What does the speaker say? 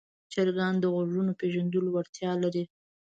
چرګان د غږونو پېژندلو وړتیا لري.